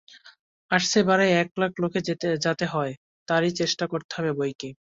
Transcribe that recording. আসছে বারে এক লাখ লোক যাতে হয়, তারই চেষ্টা করতে হবে বৈকি।